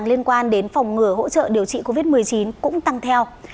liên quan đến phòng ngừa hỗ trợ điều trị covid một mươi chín cũng tăng theo